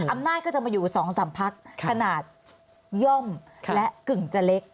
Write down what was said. อำนาจก็จะมาอยู่๒๓พักขนาดย่อมและกึ่งจะเล็ก